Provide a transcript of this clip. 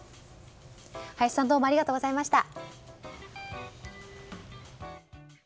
林さんどうもありがとうございました。